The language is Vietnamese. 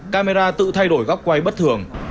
camera tự thay đổi góc quay bất thường